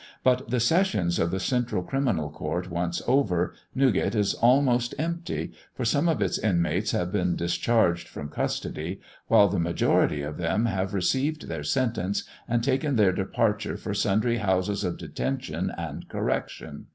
But the sessions of the Central Criminal Court once over, Newgate is almost empty, for some of its inmates have been discharged from custody, while the majority of them have received their sentence and taken their departure for sundry houses of detention and correction.